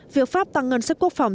việc pháp tăng ngân sách quốc phòng